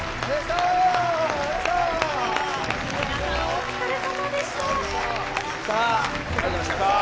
お疲れさまでした。